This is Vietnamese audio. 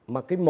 mà cái mổ